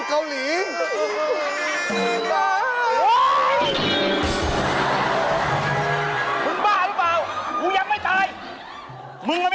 มุคก็ไม่ธรรมล่ะ